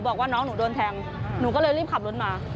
บอกว่าน้องหนูโดนแทงหนูก็เลยรีบขับรถมา